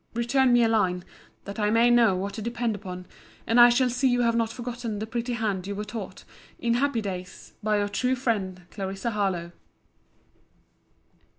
Return me a line, that I may know what to depend upon: and I shall see you have not forgotten the pretty hand you were taught, in happy days, by Your true friend, CLARISSA HARLOWE.